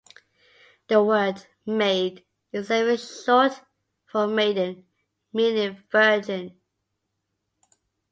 The word "maid" itself is short for "maiden", meaning "virgin".